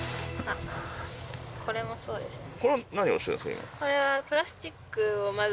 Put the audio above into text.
これもそうですね。